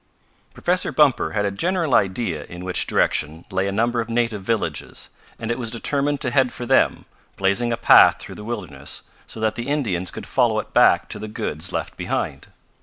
Professor Bumper had a general idea in which direction lay a number of native villages, and it was determined to head for them, blazing a path through the wilderness, so that the Indians could follow it back to the goods left behind.